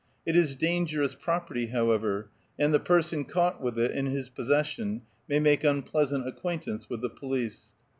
It is dangerous property, however, and the per son caught with it in his possession may make unpleasant acquaintance with the police.